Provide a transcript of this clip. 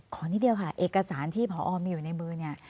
นิดเดียวค่ะเอกสารที่พอมีอยู่ในมือเนี่ย